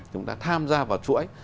chúng ta tham gia vào chuỗi